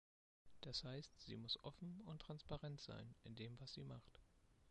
Das heißt, sie muss offen und transparent sein in dem, was sie macht.